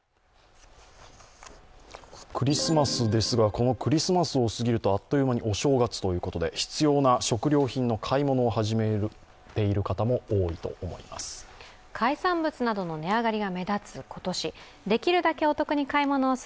クリスマスですが、このクリスマスを過ぎるとあっという間にお正月ということで必要な食料品の買い物を始めている方も多いと思います。